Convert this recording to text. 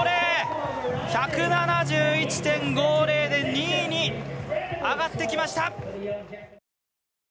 １７１．５０で２位に上がってきました！